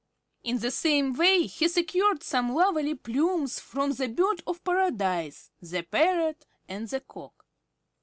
In the same way he secured some lovely plumes from the Bird of Paradise, the Parrot, and the Cock.